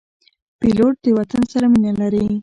پیلوټ د وطن سره مینه لري.